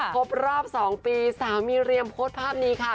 ครบรอบ๒ปีสามีเรียมโพสต์ภาพนี้ค่ะ